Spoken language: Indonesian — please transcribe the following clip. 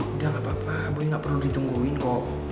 udah gak apa apa boy gak perlu ditungguin kok